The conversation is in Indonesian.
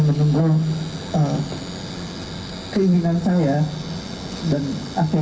saya sangat berharap selama ini berlaku dua dua tahun